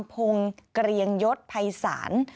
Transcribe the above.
ผงเกรียงยศภัยสาร